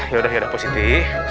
yaudah yaudah pak ustadz